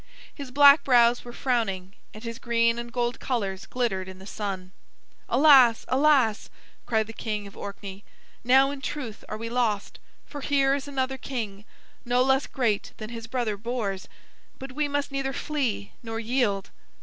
His black brows were frowning, and his green and gold colors glittered in the sun. "Alas, alas!" cried the King of Orkney, "now in truth are we lost, for here is another king, no less great than his brother Bors. But we must neither flee nor yield."